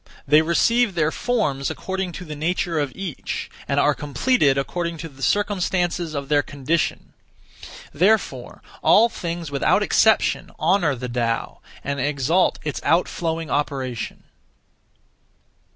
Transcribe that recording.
They receive their forms according to the nature of each, and are completed according to the circumstances of their condition. Therefore all things without exception honour the Tao, and exalt its outflowing operation.